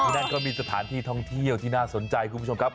นั่นก็มีสถานที่ท่องเที่ยวที่น่าสนใจคุณผู้ชมครับ